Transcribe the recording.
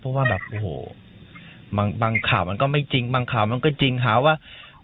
เพราะว่าแบบโอ้โหบางข่าวมันก็ไม่จริงบางข่าวมันก็จริงหาว่า